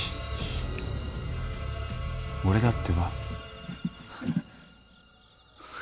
俺だってば。